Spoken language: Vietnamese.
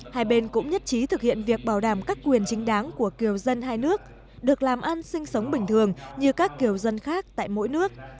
hai bên cũng nhất trí thực hiện việc bảo đảm các quyền chính đáng của kiều dân hai nước được làm ăn sinh sống bình thường như các kiều dân khác tại mỗi nước